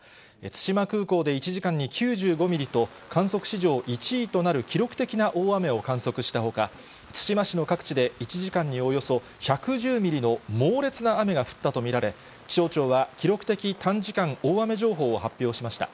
対馬空港で１時間に９５ミリと、観測史上１位となる記録的な大雨を観測したほか、対馬市の各地で１時間におよそ１１０ミリの猛烈な雨が降ったと見られ、気象庁は記録的短時間大雨情報を発表しました。